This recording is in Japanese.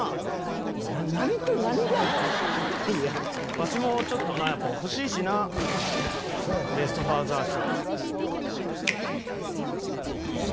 ワシもちょっと欲しいしなベスト・ファーザー賞。